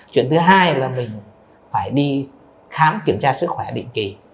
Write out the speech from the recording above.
chuyện thứ hai là mình phải đi khám kiểm tra sức khỏe định kỳ